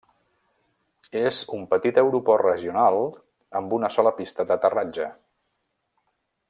És un petit aeroport regional, amb una sola pista d'aterratge.